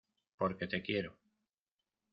porque te quiero.